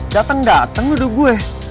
dateng dateng luduh gue